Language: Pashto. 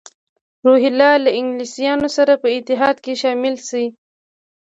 روهیله له انګلیسیانو سره په اتحاد کې شامل شي.